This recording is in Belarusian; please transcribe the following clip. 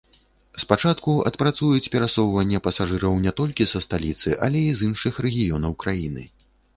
Спачатку адпрацуюць перасоўванне пасажыраў не толькі са сталіцы, але і з іншых рэгіёнаў краіны.